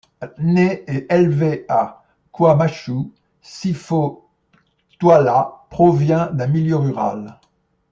Né et élevé à KwaMashu, Sipho Thwala provient d'un milieu rural.